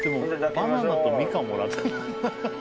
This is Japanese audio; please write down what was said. バナナとみかんもらったんだ。